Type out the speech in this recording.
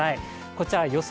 こちら予想